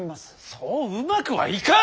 そううまくはいかん！